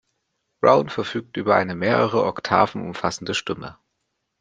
Brown verfügt über eine mehrere Oktaven umfassende Stimme.